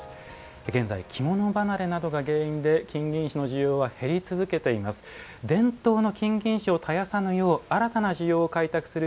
現在着物離れなどが原因で金銀糸の需要は減り続けています。